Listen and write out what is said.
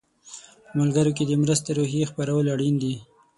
په ملګرو کې د مرستې روحیه خپرول اړین دي.